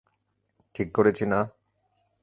ঠিক করেছি না?